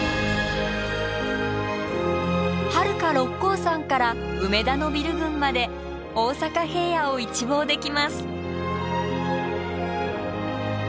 はるか六甲山から梅田のビル群まで大阪平野を一望できます。